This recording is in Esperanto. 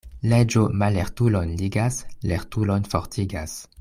Leĝo mallertulon ligas, lertulon fortigas.